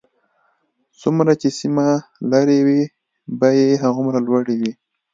څومره چې سیمه لرې وي بیې هغومره لوړې وي